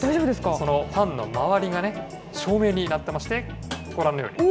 そのファンの周りがね、照明になってましてね、ご覧のように。